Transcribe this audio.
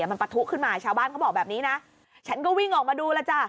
มันปะทุขึ้นมาชาวบ้านเขาบอกแบบนี้นะฉันก็วิ่งออกมาดูแล้วจ้ะ